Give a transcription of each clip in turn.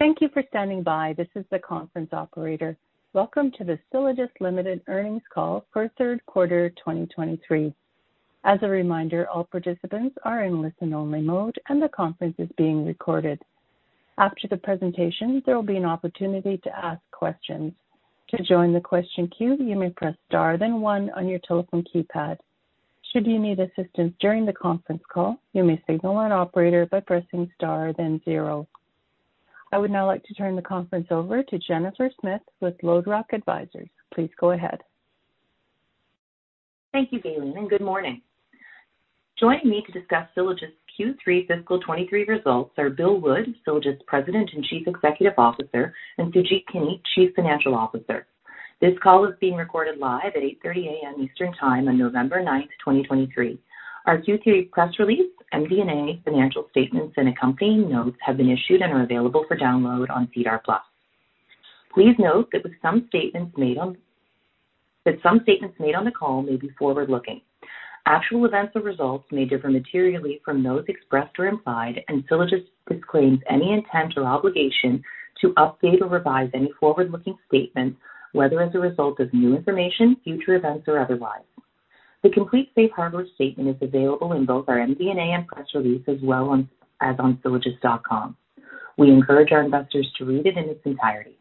Thank you for standing by. This is the conference operator. Welcome to the Sylogist Ltd earnings call for third quarter 2023. As a reminder, all participants are in listen-only mode, and the conference is being recorded. After the presentation, there will be an opportunity to ask questions. To join the question queue, you may press Star, then one on your telephone keypad. Should you need assistance during the conference call, you may signal an operator by pressing Star, then zero. I would now like to turn the conference over to Jennifer Smith with LodeRock Advisors. Please go ahead. Thank you, Galen, and good morning. Joining me to discuss Sylogist’s Q3 fiscal 2023 results are Bill Wood, Sylogist President and Chief Executive Officer, and Sujeet Kini, Chief Financial Officer. This call is being recorded live at 8:30 A.M. Eastern Time on November 9, 2023. Our Q3 press release, MD&A, financial statements, and accompanying notes have been issued and are available for download on SEDAR+. Please note that some statements made on the call may be forward-looking. Actual events or results may differ materially from those expressed or implied, and Sylogist disclaims any intent or obligation to update or revise any forward-looking statements, whether as a result of new information, future events, or otherwise. The complete safe harbor statement is available in both our MD&A and press release, as well as on sylogist.com. We encourage our investors to read it in its entirety.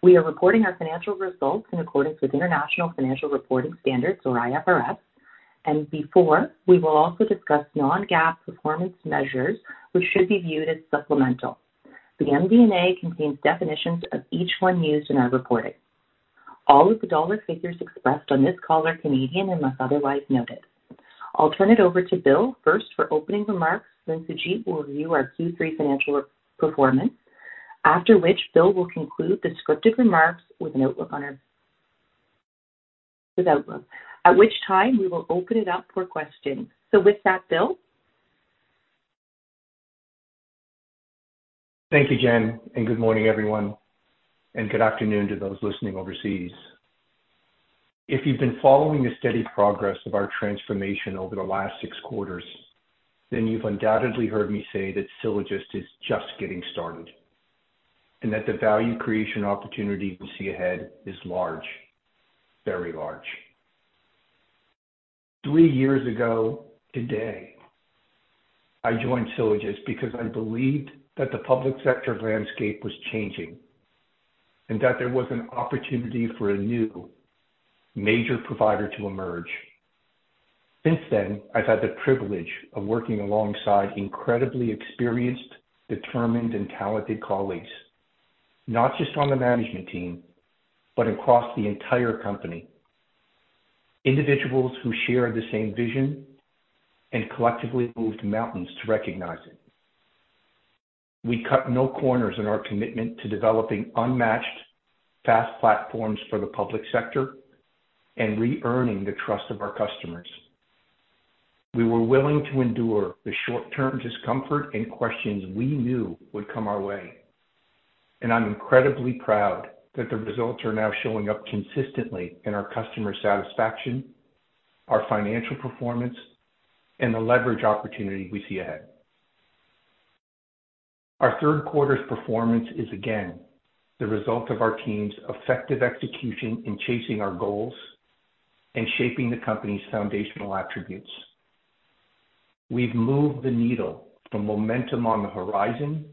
We are reporting our financial results in accordance with International Financial Reporting Standards, or IFRS, and before, we will also discuss non-GAAP performance measures, which should be viewed as supplemental. The MD&A contains definitions of each one used in our reporting. All of the dollar figures expressed on this call are Canadian unless otherwise noted. I'll turn it over to Bill first for opening remarks, then Sujeet will review our Q3 financial performance, after which Bill will conclude the scripted remarks with an outlook on our... At which time, we will open it up for questions. So with that, Bill? Thank you, Jen, and good morning, everyone, and good afternoon to those listening overseas. If you've been following the steady progress of our transformation over the last six quarters, then you've undoubtedly heard me say that Sylogist is just getting started, and that the value creation opportunity we see ahead is large, very large. Three years ago today, I joined Sylogist because I believed that the public sector landscape was changing, and that there was an opportunity for a new major provider to emerge. Since then, I've had the privilege of working alongside incredibly experienced, determined, and talented colleagues, not just on the management team, but across the entire company. Individuals who share the same vision and collectively moved mountains to realize it. We cut no corners in our commitment to developing unmatched SaaS platforms for the public sector and re-earning the trust of our customers. We were willing to endure the short-term discomfort and questions we knew would come our way, and I'm incredibly proud that the results are now showing up consistently in our customer satisfaction, our financial performance, and the leverage opportunity we see ahead. Our third quarter's performance is, again, the result of our team's effective execution in chasing our goals and shaping the company's foundational attributes. We've moved the needle from momentum on the horizon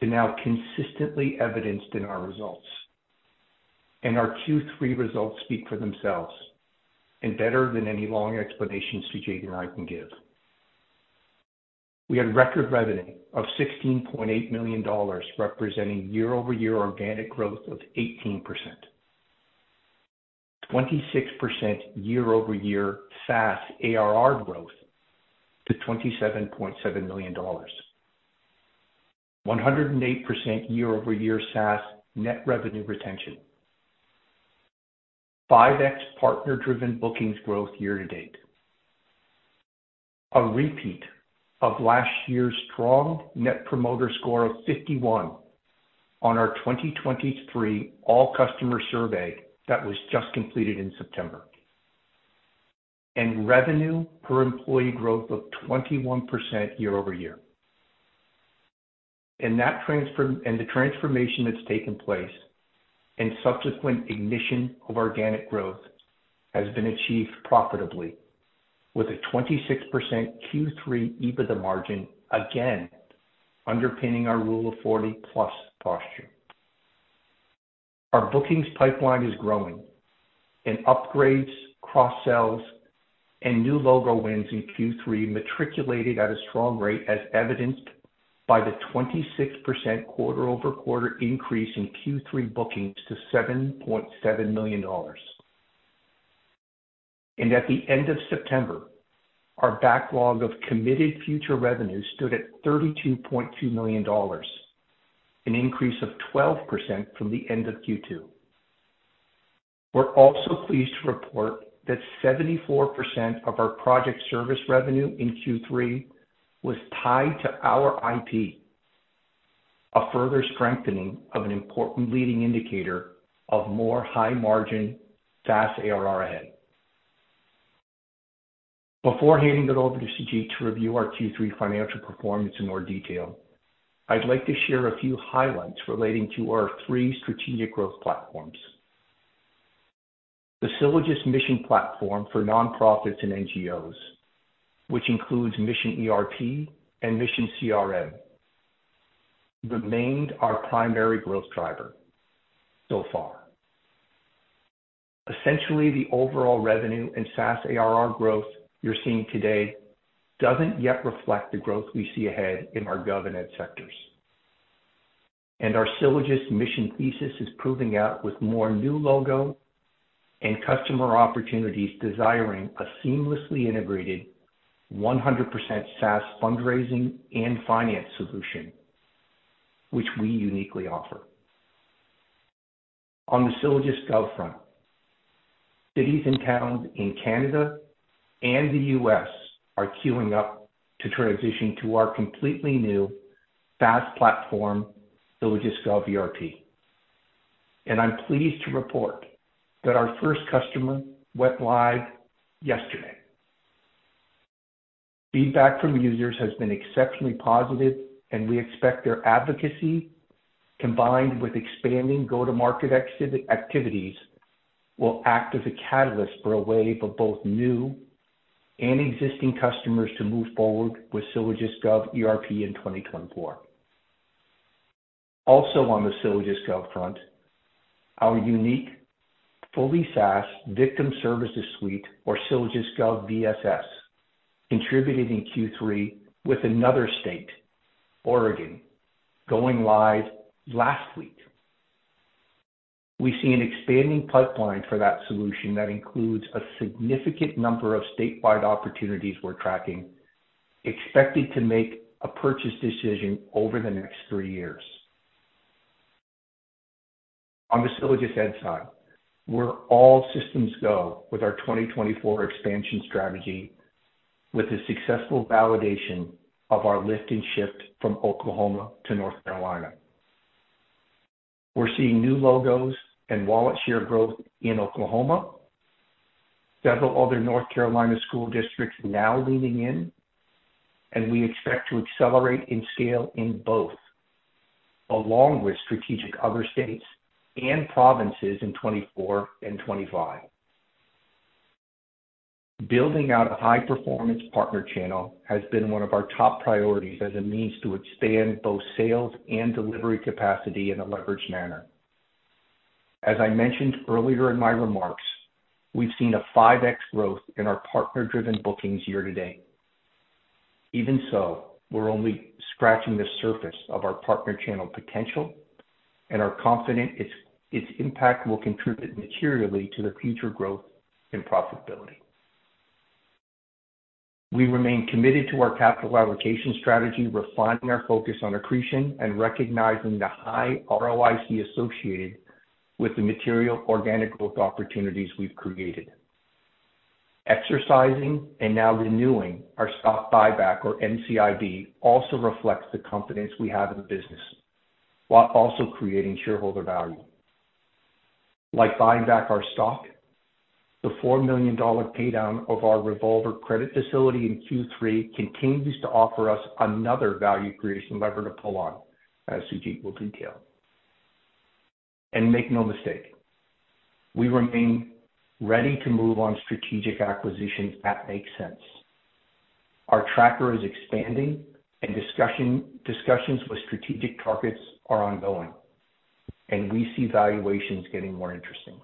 to now consistently evidenced in our results. Our Q3 results speak for themselves, and better than any long explanations Sujeet and I can give. We had record revenue of 16.8 million dollars, representing year-over-year organic growth of 18%, 26% year-over-year SaaS ARR growth to 27.7 million dollars, 108% year-over-year SaaS net revenue retention, 5x partner-driven bookings growth year to date. A repeat of last year's strong Net Promoter Score of 51 on our 2023 all-customer survey that was just completed in September. Revenue per employee growth of 21% year-over-year. That transformation that's taken place and subsequent ignition of organic growth has been achieved profitably, with a 26% Q3 EBITDA margin, again, underpinning our Rule of 40+ posture. Our bookings pipeline is growing, and upgrades, cross-sells, and new logo wins in Q3 materialized at a strong rate, as evidenced by the 26% quarter-over-quarter increase in Q3 bookings to 7.7 million dollars. At the end of September, our backlog of committed future revenue stood at 32.2 million dollars, an increase of 12% from the end of Q2. We're also pleased to report that 74% of our project service revenue in Q3 was tied to our IP, a further strengthening of an important leading indicator of more high-margin SaaS ARR ahead. Before handing it over to Sujeet to review our Q3 financial performance in more detail, I'd like to share a few highlights relating to our three strategic growth platforms. The Sylogist Mission platform for nonprofits and NGOs, which includes Mission ERP and Mission CRM, remained our primary growth driver so far. Essentially, the overall revenue and SaaS ARR growth you're seeing today doesn't yet reflect the growth we see ahead in our gov and ed sectors. And our Sylogist Mission thesis is proving out with more new logo and customer opportunities, desiring a seamlessly integrated 100% SaaS fundraising and finance solution, which we uniquely offer. On the Sylogist Gov front, cities and towns in Canada and the U.S. are queuing up to transition to our completely new SaaS platform, Sylogist Gov ERP. And I'm pleased to report that our first customer went live yesterday. Feedback from users has been exceptionally positive, and we expect their advocacy, combined with expanding go-to-market execution activities, will act as a catalyst for a wave of both new and existing customers to move forward with Sylogist Gov ERP in 2024. Also, on the Sylogist Gov front, our unique, fully SaaS victim services suite, or Sylogist Gov VSS, contributed in Q3 with another state, Oregon, going live last week. We see an expanding pipeline for that solution that includes a significant number of statewide opportunities we're tracking, expected to make a purchase decision over the next three years. On the Sylogist Ed side, we're all systems go with our 2024 expansion strategy with the successful validation of our lift and shift from Oklahoma to North Carolina. We're seeing new logos and wallet share growth in Oklahoma. Several other North Carolina school districts now leaning in, and we expect to accelerate in scale in both, along with strategic other states and provinces in 2024 and 2025. Building out a high-performance partner channel has been one of our top priorities as a means to expand both sales and delivery capacity in a leveraged manner. As I mentioned earlier in my remarks, we've seen a 5x growth in our partner-driven bookings year to date. Even so, we're only scratching the surface of our partner channel potential and are confident its, its impact will contribute materially to the future growth and profitability. We remain committed to our capital allocation strategy, refining our focus on accretion and recognizing the high ROIC associated with the material organic growth opportunities we've created. Exercising and now renewing our stock buyback or NCIB also reflects the confidence we have in the business, while also creating shareholder value. Like buying back our stock, the 4 million dollar paydown of our revolver credit facility in Q3 continues to offer us another value creation lever to pull on, as Sujeet will detail. And make no mistake, we remain ready to move on strategic acquisitions that make sense. Our tracker is expanding and discussions with strategic targets are ongoing, and we see valuations getting more interesting.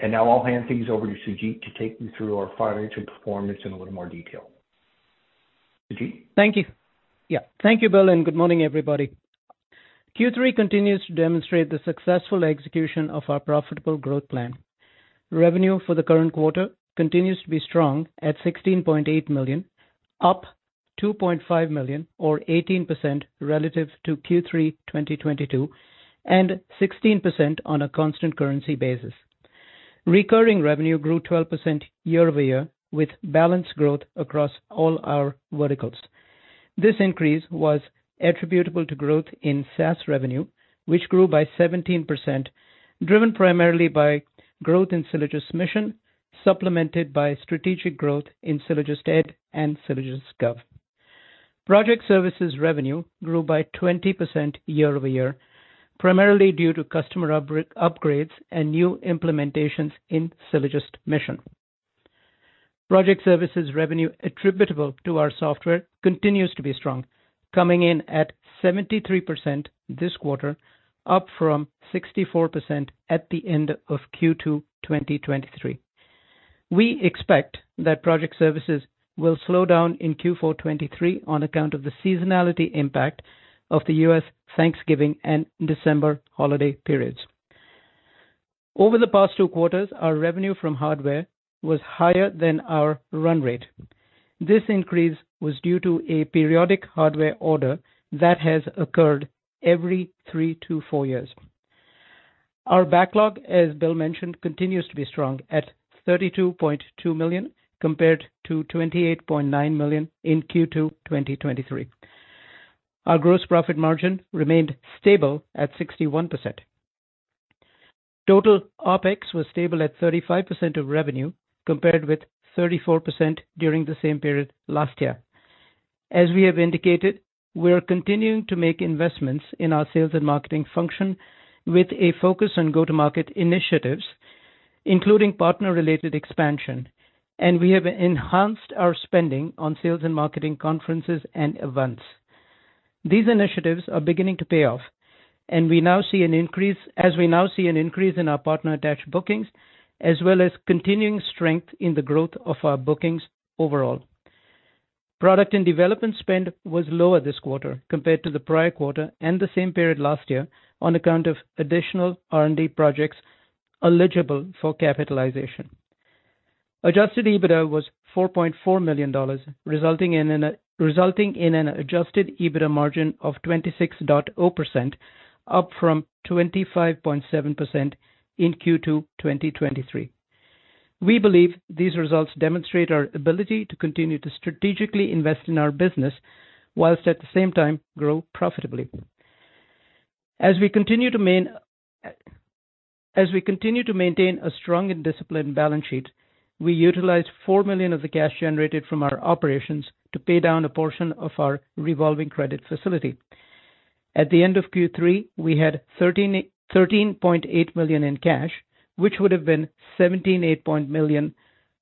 And now I'll hand things over to Sujeet to take you through our financial performance in a little more detail. Sujeet? Thank you. Yeah. Thank you, Bill, and good morning, everybody. Q3 continues to demonstrate the successful execution of our profitable growth plan. Revenue for the current quarter continues to be strong at 16.8 million, up 2.5 million, or 18% relative to Q3 2022, and 16% on a constant currency basis. Recurring revenue grew 12% year-over-year, with balanced growth across all our verticals. This increase was attributable to growth in SaaS revenue, which grew by 17%, driven primarily by growth in Sylogist Mission, supplemented by strategic growth in Sylogist Ed and Sylogist Gov. Project services revenue grew by 20% year-over-year, primarily due to customer upgrades and new implementations in Sylogist Mission. Project services revenue attributable to our software continues to be strong, coming in at 73% this quarter, up from 64% at the end of Q2 2023. We expect that project services will slow down in Q4 2023 on account of the seasonality impact of the US Thanksgiving and December holiday periods. Over the past two quarters, our revenue from hardware was higher than our run rate. This increase was due to a periodic hardware order that has occurred every three to four years. Our backlog, as Bill mentioned, continues to be strong at 32.2 million, compared to 28.9 million in Q2 2023. Our gross profit margin remained stable at 61%. Total OpEx was stable at 35% of revenue, compared with 34% during the same period last year. As we have indicated, we are continuing to make investments in our sales and marketing function with a focus on go-to-market initiatives, including partner-related expansion, and we have enhanced our spending on sales and marketing conferences and events. These initiatives are beginning to pay off, and we now see an increase, as we now see an increase in our partner-attached bookings, as well as continuing strength in the growth of our bookings overall. Product and development spend was lower this quarter compared to the prior quarter and the same period last year, on account of additional R&D projects eligible for capitalization. Adjusted EBITDA was 4.4 million dollars, resulting in an adjusted EBITDA margin of 26.0%, up from 25.7% in Q2 2023. We believe these results demonstrate our ability to continue to strategically invest in our business, while at the same time, grow profitably. As we continue to maintain a strong and disciplined balance sheet, we utilized 4 million of the cash generated from our operations to pay down a portion of our revolving credit facility. At the end of Q3, we had 13.8 million in cash, which would have been 17.8 million,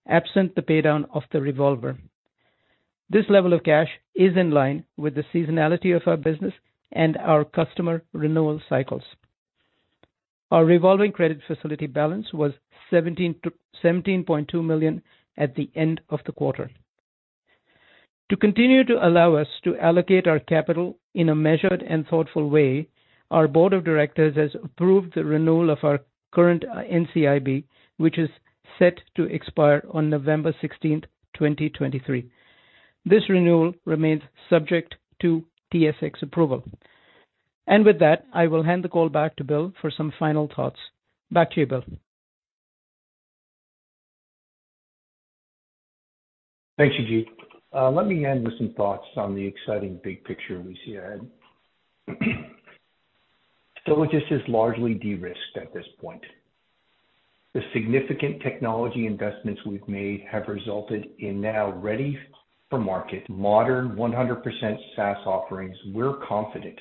absent the paydown of the revolver. This level of cash is in line with the seasonality of our business and our customer renewal cycles. Our revolving credit facility balance was 17.2 million at the end of the quarter. To continue to allow us to allocate our capital in a measured and thoughtful way, our board of directors has approved the renewal of our current NCIB, which is set to expire on November 16th, 2023. This renewal remains subject to TSX approval. With that, I will hand the call back to Bill for some final thoughts. Back to you, Bill. Thanks, Sujeet. Let me end with some thoughts on the exciting big picture we see ahead. Sylogist is largely de-risked at this point. The significant technology investments we've made have resulted in now ready-for-market, modern, 100% SaaS offerings we're confident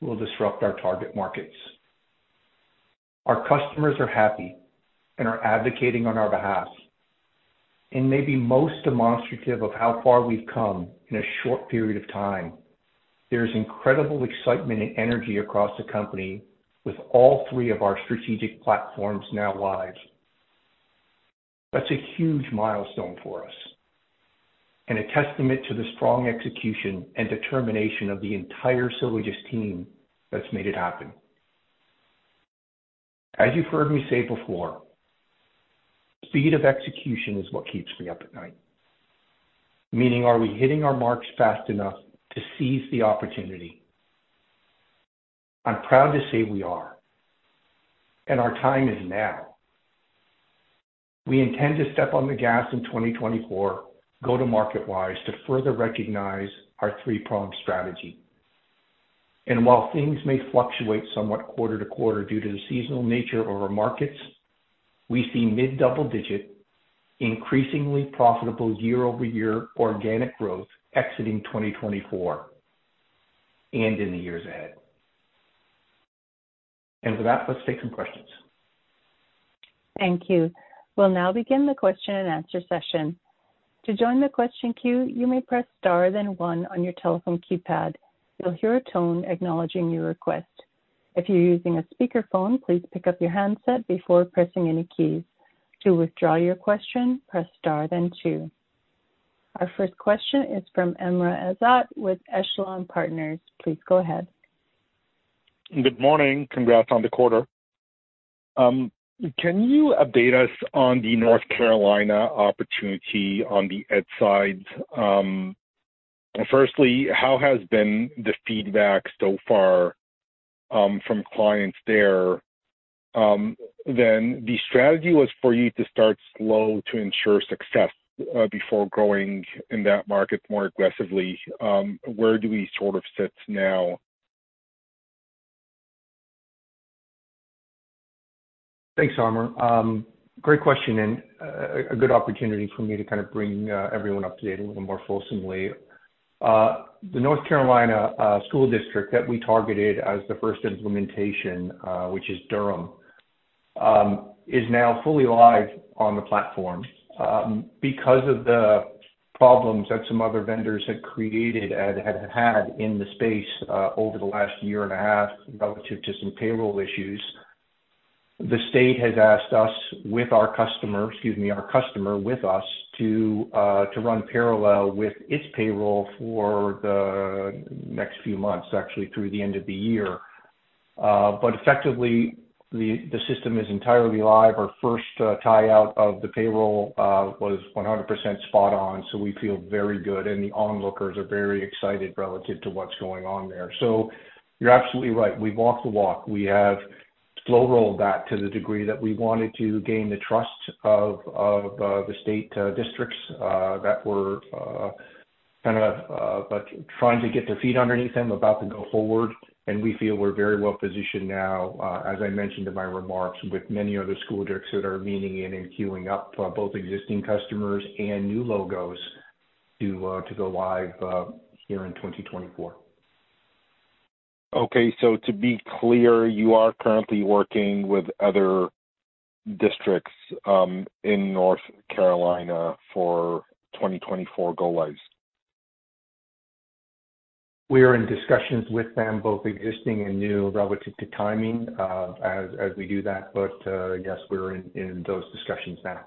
will disrupt our target markets. Our customers are happy and are advocating on our behalf, and maybe most demonstrative of how far we've come in a short period of time, there's incredible excitement and energy across the company with all three of our strategic platforms now live. That's a huge milestone for us, and a testament to the strong execution and determination of the entire Sylogist team that's made it happen. As you've heard me say before, speed of execution is what keeps me up at night. Meaning, are we hitting our marks fast enough to seize the opportunity? I'm proud to say we are, and our time is now. We intend to step on the gas in 2024, go-to-market-wise, to further recognize our three-pronged strategy. While things may fluctuate somewhat quarter-to-quarter due to the seasonal nature of our markets, we see mid-double digit, increasingly profitable year-over-year organic growth exiting 2024, and in the years ahead. With that, let's take some questions. Thank you. We'll now begin the question-and-answer session. To join the question queue, you may press star, then one on your telephone keypad. You'll hear a tone acknowledging your request. If you're using a speakerphone, please pick up your handset before pressing any keys. To withdraw your question, press star, then two. Our first question is from Ammar Azad with Echelon Partners. Please go ahead. Good morning. Congrats on the quarter. Can you update us on the North Carolina opportunity on the ed side? Firstly, how has been the feedback so far, from clients there? Then the strategy was for you to start slow to ensure success, before growing in that market more aggressively. Where do we sort of sit now? Thanks, Ammar. Great question and a good opportunity for me to kind of bring everyone up to date a little more fulsomely. The North Carolina school district that we targeted as the first implementation, which is Durham, is now fully live on the platform. Because of the problems that some other vendors have created and have had in the space over the last year and a half, relative to some payroll issues, the state has asked us, with our customer, excuse me, our customer with us, to run parallel with its payroll for the next few months, actually through the end of the year. But effectively, the system is entirely live. Our first tie out of the payroll was 100% spot on, so we feel very good, and the onlookers are very excited relative to what's going on there. So you're absolutely right. We've walked the walk. We have slow-rolled that to the degree that we wanted to gain the trust of the state districts that were kind of but trying to get their feet underneath them, about to go forward, and we feel we're very well positioned now, as I mentioned in my remarks, with many other school districts that are leaning in and queuing up both existing customers and new logos to to go live here in 2024. Okay, so to be clear, you are currently working with other districts, in North Carolina for 2024 go lives? We are in discussions with them, both existing and new, relative to timing, as we do that. But, yes, we're in those discussions now.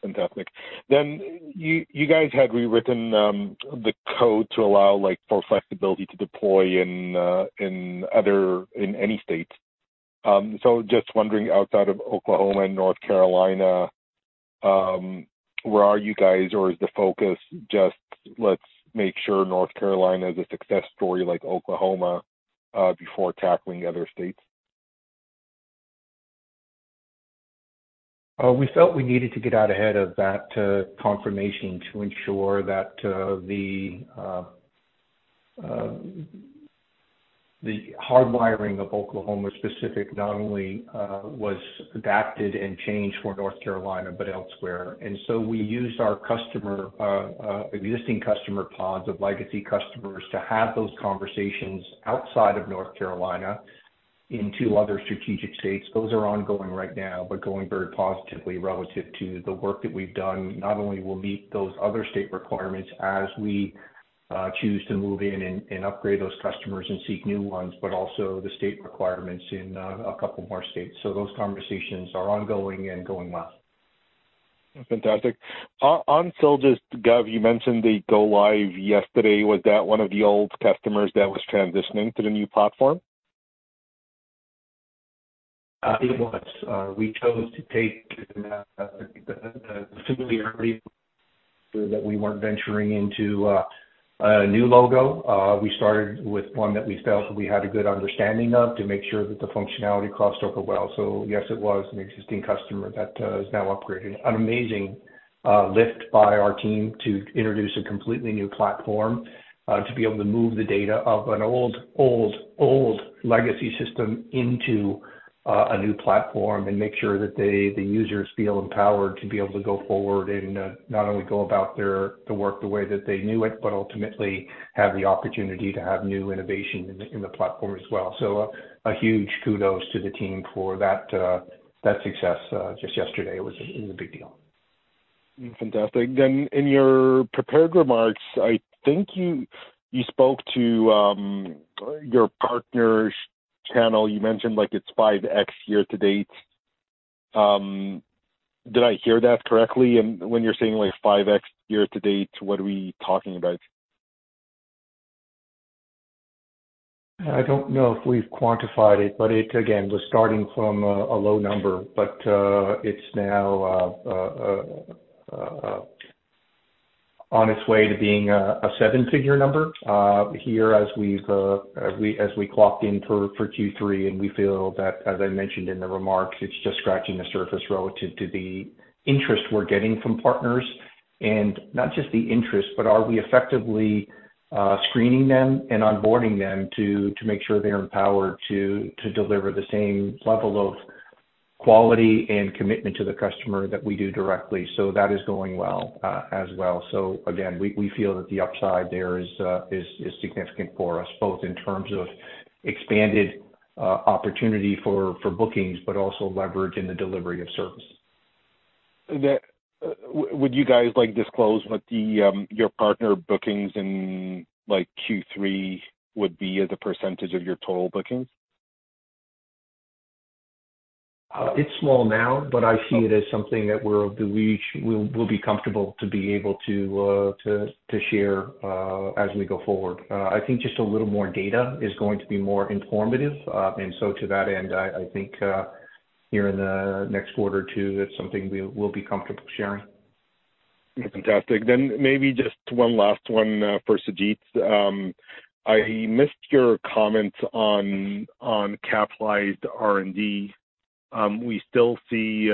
Fantastic. Then you, you guys had rewritten, the code to allow, like, for flexibility to deploy in, in other, in any state. So just wondering, outside of Oklahoma and North Carolina, where are you guys? Or is the focus just let's make sure North Carolina is a success story like Oklahoma, before tackling other states? We felt we needed to get out ahead of that confirmation to ensure that the hardwiring of Oklahoma specific not only was adapted and changed for North Carolina but elsewhere. And so we used our existing customer pods of legacy customers to have those conversations outside of North Carolina in two other strategic states. Those are ongoing right now, but going very positively relative to the work that we've done. Not only we'll meet those other state requirements as we choose to move in and upgrade those customers and seek new ones, but also the state requirements in a couple more states. So those conversations are ongoing and going well. Fantastic. On Sylogist Gov, you mentioned they go live yesterday. Was that one of the old customers that was transitioning to the new platform? It was. We chose to take the familiarity that we weren't venturing into a new logo. We started with one that we felt we had a good understanding of to make sure that the functionality crossed over well. So yes, it was an existing customer that is now upgraded. An amazing lift by our team to introduce a completely new platform to be able to move the data of an old, old, old legacy system into a new platform and make sure that they, the users, feel empowered to be able to go forward and not only go about their, the work the way that they knew it, but ultimately have the opportunity to have new innovation in the platform as well. So, huge kudos to the team for that success just yesterday. It was a big deal. Fantastic. Then in your prepared remarks, I think you spoke to your partners channel. You mentioned like it's 5x year-to-date. Did I hear that correctly? And when you're saying, like, 5x year-to-date, what are we talking about? I don't know if we've quantified it, but it again was starting from a low number. But it's now on its way to being a seven-figure number here as we've clocked in for Q3, and we feel that, as I mentioned in the remarks, it's just scratching the surface relative to the interest we're getting from partners. And not just the interest, but are we effectively screening them and onboarding them to make sure they're empowered to deliver the same level of quality and commitment to the customer that we do directly? So that is going well as well. So again, we feel that the upside there is significant for us, both in terms of expanded opportunity for bookings, but also leverage in the delivery of service. Would you guys like disclose what your partner bookings in, like, Q3 would be as a percentage of your total bookings? It's small now, but I see it as something that we'll be comfortable to be able to share as we go forward. I think just a little more data is going to be more informative. And so to that end, I think here in the next quarter or two, that's something we will be comfortable sharing. Fantastic. Then maybe just one last one, for Sujeet. I missed your comments on, on capitalized R&D. We still see,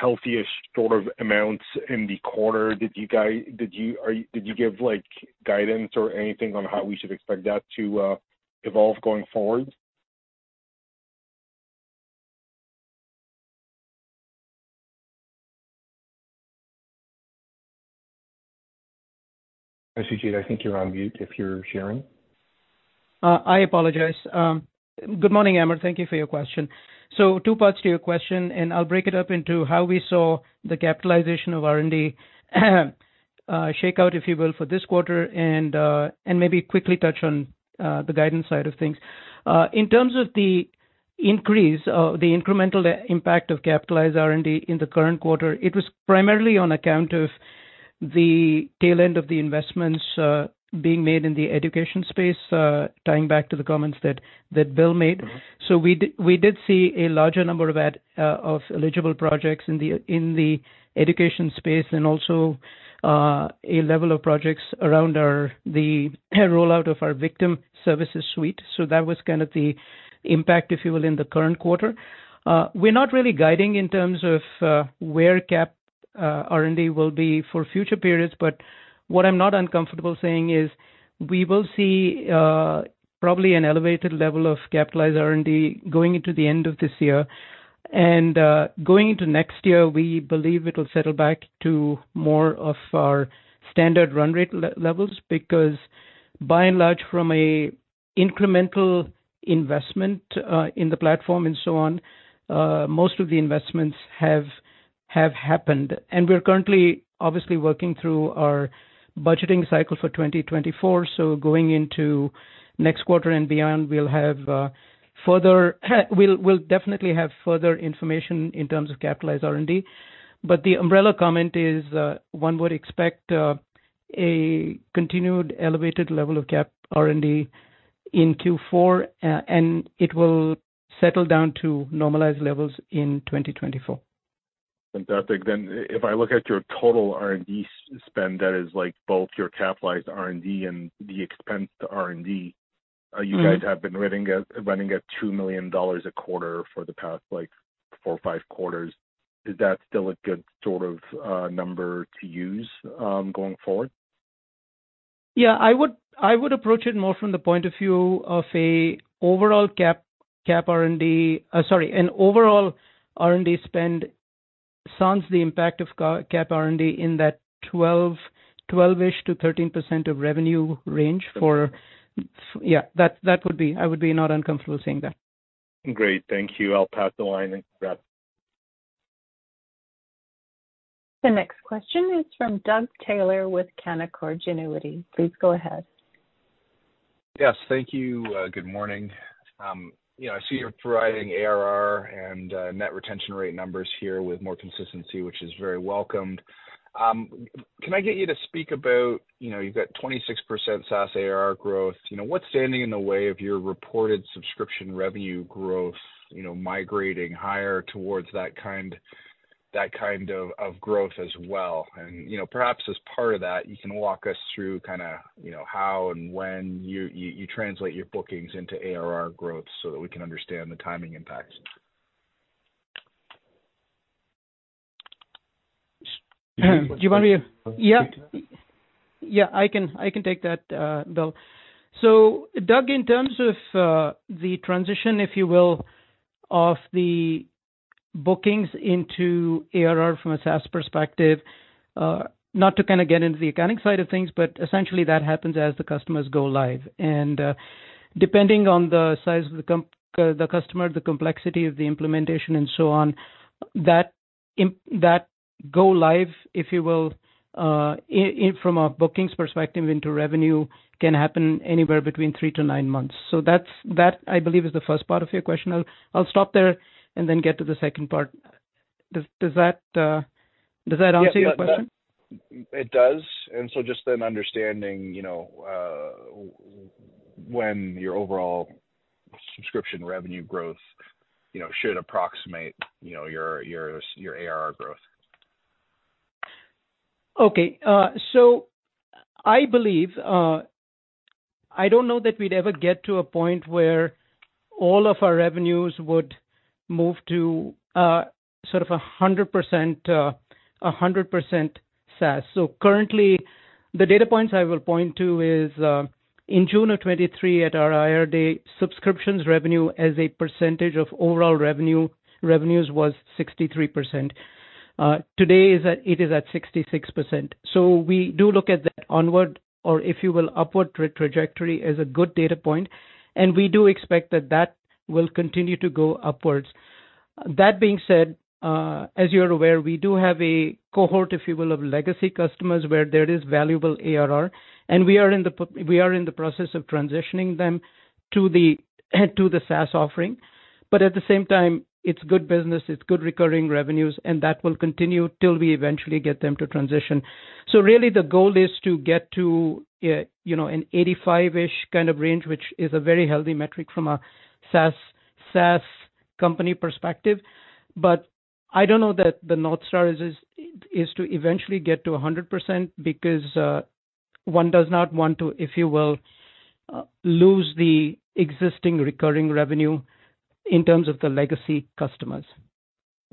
healthy-ish sort of amounts in the quarter. Did you give, like, guidance or anything on how we should expect that to, evolve going forward? Sujeet, I think you're on mute, if you're sharing. I apologize. Good morning, Ammar. Thank you for your question. So two parts to your question, and I'll break it up into how we saw the capitalization of R&D shake out, if you will, for this quarter, and maybe quickly touch on the guidance side of things. In terms of the increase, the incremental impact of capitalized R&D in the current quarter, it was primarily on account of the tail end of the investments being made in the education space, tying back to the comments that Bill made. So we did see a larger number of eligible projects in the education space and also a level of projects around the rollout of our victim services suite. So that was kind of the impact, if you will, in the current quarter. We're not really guiding in terms of where cap R&D will be for future periods, but what I'm not uncomfortable saying is we will see probably an elevated level of capitalized R&D going into the end of this year. Going into next year, we believe it'll settle back to more of our standard run rate levels, because by and large, from a incremental investment in the platform and so on, most of the investments have happened. We're currently obviously working through our budgeting cycle for 2024, so going into next quarter and beyond, we'll have further. We'll definitely have further information in terms of capitalized R&D. But the umbrella comment is, one would expect, a continued elevated level of cap R&D in Q4, and it will settle down to normalized levels in 2024. Fantastic. Then if I look at your total R&D spend, that is, like, both your capitalized R&D and the expensed R&D. Mm-hmm. You guys have been running at, running at 2 million dollars a quarter for the past, like, four or five quarters. Is that still a good sort of number to use going forward? Yeah, I would approach it more from the point of view of an overall cap R&D, an overall R&D spend, sans the impact of cap R&D in that 12%, 12-ish-13% of revenue range for- Okay. Yeah, that would be, I would be not uncomfortable saying that. Great, thank you. I'll pass the line. Thanks, guys. The next question is from Doug Taylor with Canaccord Genuity. Please go ahead. Yes, thank you. Good morning. You know, I see you're providing ARR and net retention rate numbers here with more consistency, which is very welcomed. Can I get you to speak about, you know, you've got 26% SaaS ARR growth. You know, what's standing in the way of your reported subscription revenue growth, you know, migrating higher towards that kind of growth as well? And, you know, perhaps as part of that, you can walk us through kind of, you know, how and when you translate your bookings into ARR growth so that we can understand the timing impacts. Do you want me to- Yeah. Yeah, I can, I can take that, Bill. So Doug, in terms of, the transition, if you will, of the bookings into ARR from a SaaS perspective, not to kind of get into the accounting side of things, but essentially that happens as the customers go live. And, depending on the size of the customer, the complexity of the implementation and so on, that go live, if you will, from a bookings perspective into revenue, can happen anywhere between three-nine months. So that's, that I believe, is the first part of your question. I'll, I'll stop there and then get to the second part. Does, does that, does that answer your question? Yeah, that, it does. And so just then understanding, you know, when your overall subscription revenue growth, you know, should approximate, you know, your ARR growth. Okay, so I believe, I don't know that we'd ever get to a point where all of our revenues would move to, sort of a 100%, 100% SaaS. So currently, the data points I will point to is, in June of 2023, at our IR day, subscriptions revenue as a percentage of overall revenue, revenues was 63%. Today, it is at 66%. So we do look at that onward or, if you will, upward trajectory as a good data point, and we do expect that that will continue to go upwards. That being said, as you're aware, we do have a cohort, if you will, of legacy customers where there is valuable ARR, and we are in the process of transitioning them to the SaaS offering. But at the same time, it's good business, it's good recurring revenues, and that will continue till we eventually get them to transition. So really the goal is to get to, you know, an 85-ish kind of range, which is a very healthy metric from a SaaS, SaaS company perspective. But I don't know that the North Star is to eventually get to a 100%, because, one does not want to, if you will, lose the existing recurring revenue in terms of the legacy customers.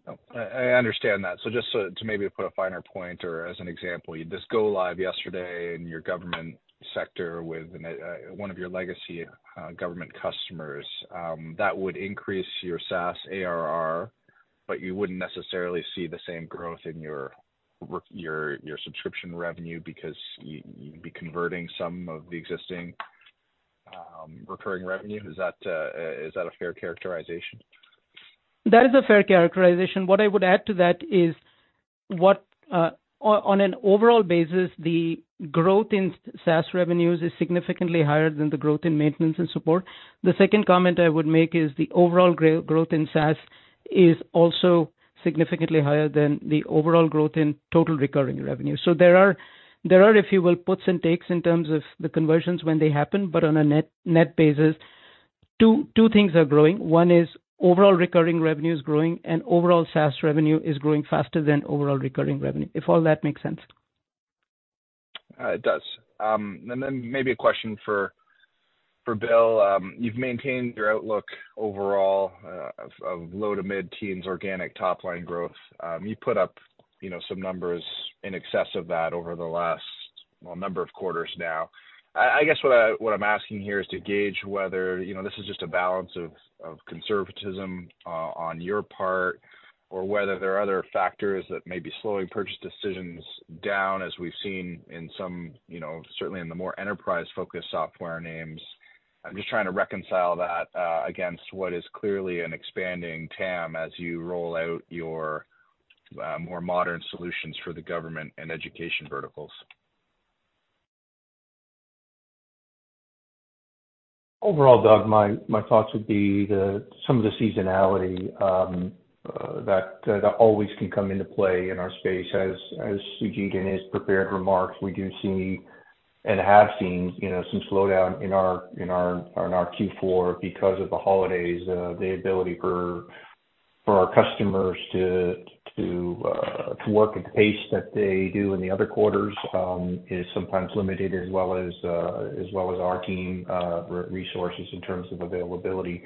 Oh, I understand that. So just to maybe put a finer point or as an example, you just go live yesterday in your government sector with one of your legacy government customers, that would increase your SaaS ARR, but you wouldn't necessarily see the same growth in your subscription revenue because you'd be converting some of the existing recurring revenue. Is that a fair characterization? That is a fair characterization. What I would add to that is, what, On, on an overall basis, the growth in SaaS revenues is significantly higher than the growth in maintenance and support. The second comment I would make is the overall growth in SaaS is also significantly higher than the overall growth in total recurring revenue. So there are, there are a few, well, puts and takes in terms of the conversions when they happen, but on a net, net basis, two, two things are growing. One is overall recurring revenue is growing, and overall SaaS revenue is growing faster than overall recurring revenue, if all that makes sense.... It does. And then maybe a question for Bill. You've maintained your outlook overall of low to mid-teens organic top-line growth. You put up, you know, some numbers in excess of that over the last, well, number of quarters now. I guess what I'm asking here is to gauge whether, you know, this is just a balance of conservatism on your part, or whether there are other factors that may be slowing purchase decisions down, as we've seen in some, you know, certainly in the more enterprise-focused software names. I'm just trying to reconcile that against what is clearly an expanding TAM as you roll out your more modern solutions for the government and education verticals. Overall, Doug, my thoughts would be some of the seasonality that always can come into play in our space. As Sujeet in his prepared remarks, we do see, and have seen, you know, some slowdown in our Q4 because of the holidays. The ability for our customers to work at the pace that they do in the other quarters is sometimes limited, as well as our team resources in terms of availability.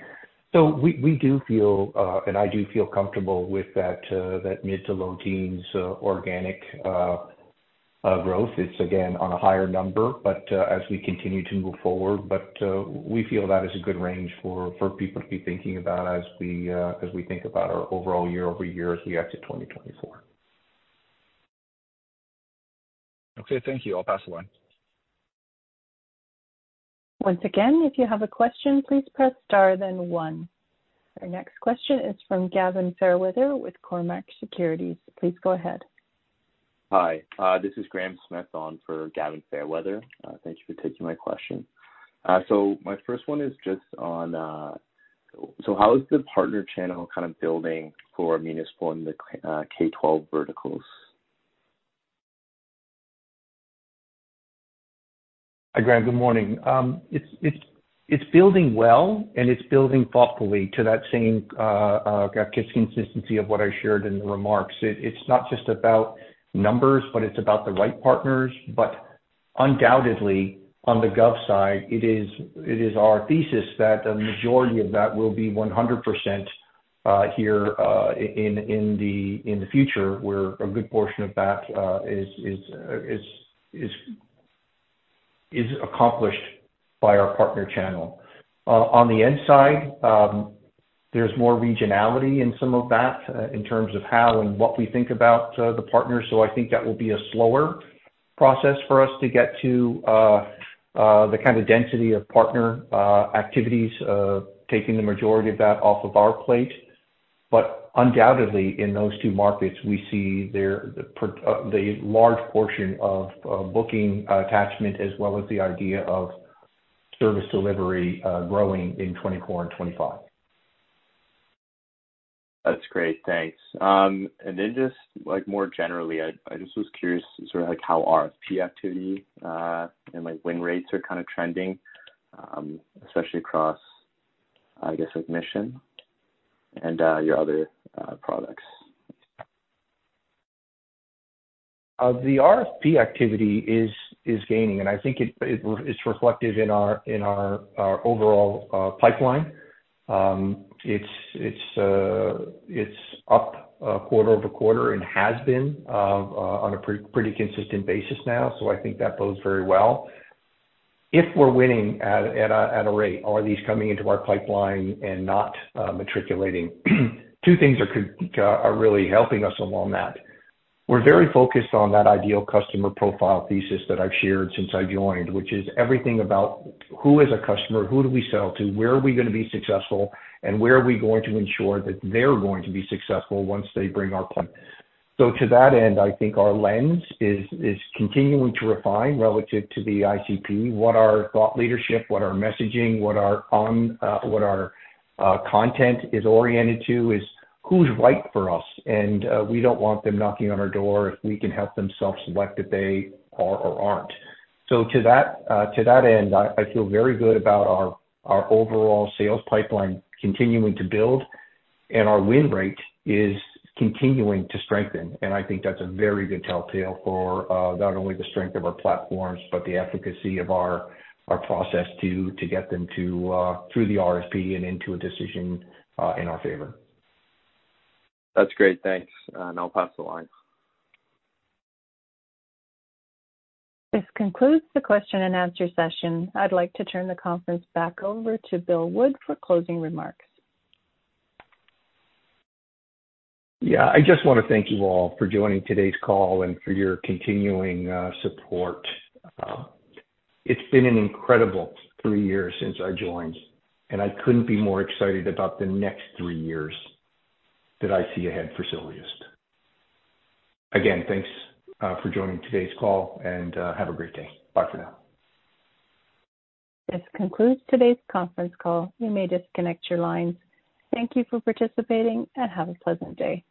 So we do feel, and I do feel comfortable with that mid to low teens organic growth. It's again, on a higher number, but as we continue to move forward. We feel that is a good range for people to be thinking about as we think about our overall year-over-year as we get to 2024. Okay, thank you. I'll pass the line. Once again, if you have a question, please press star, then one. Our next question is from Gavin Fairweather with Cormark Securities. Please go ahead. Hi, this is Graham Smith on for Gavin Fairweather. Thank you for taking my question. So my first one is just on, so how is the partner channel kind of building for municipal and the, K-12 verticals? Hi, Graham. Good morning. It's building well, and it's building thoughtfully to that same consistency of what I shared in the remarks. It's not just about numbers, but it's about the right partners. But undoubtedly, on the gov side, it is our thesis that the majority of that will be 100% here in the future, where a good portion of that is accomplished by our partner channel. On the end side, there's more regionality in some of that in terms of how and what we think about the partners, so I think that will be a slower process for us to get to the kind of density of partner activities taking the majority of that off of our plate. But undoubtedly, in those two markets, we see there the large portion of booking attachment, as well as the idea of service delivery, growing in 2024 and 2025. That's great. Thanks. And then just like more generally, I just was curious sort of like how RFP activity and like win rates are kind of trending, especially across, I guess, admission and your other products? The RFP activity is gaining, and I think it's reflective in our overall pipeline. It's up quarter-over-quarter and has been on a pretty consistent basis now, so I think that bodes very well. If we're winning at a rate, are these coming into our pipeline and not matriculating? Two things are really helping us along that. We're very focused on that ideal customer profile thesis that I've shared since I joined, which is everything about who is a customer, who do we sell to, where are we going to be successful, and where are we going to ensure that they're going to be successful once they bring our pipeline. So to that end, I think our lens is continuing to refine relative to the ICP, what our thought leadership, what our messaging, what our content is oriented to, is who's right for us? And we don't want them knocking on our door if we can help themselves select if they are or aren't. So to that end, I feel very good about our overall sales pipeline continuing to build, and our win rate is continuing to strengthen, and I think that's a very good telltale for not only the strength of our platforms, but the efficacy of our process to get them through the RFP and into a decision in our favor. That's great. Thanks, and I'll pass the line. This concludes the question-and-answer session. I'd like to turn the conference back over to Bill Wood for closing remarks. Yeah, I just want to thank you all for joining today's call and for your continuing support. It's been an incredible three years since I joined, and I couldn't be more excited about the next three years that I see ahead for Sylogist. Again, thanks for joining today's call, and have a great day. Bye for now. This concludes today's conference call. You may disconnect your lines. Thank you for participating, and have a pleasant day.